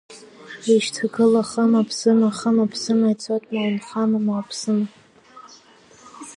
Еишьҭагыла, хыма-ԥсыма, хыма-ԥсыма ицоит, ма унхама, ма уԥсыма…